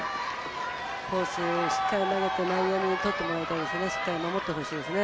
コースをしっかり投げて内野にとってもらいたいですね